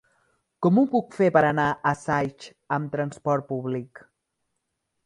Com ho puc fer per anar a Saix amb transport públic?